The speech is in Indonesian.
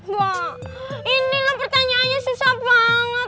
wah ini loh pertanyaannya susah banget